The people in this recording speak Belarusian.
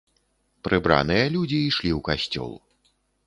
Прыбраныя людзі ішлі ў касцёл.